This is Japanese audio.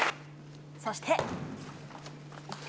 そして。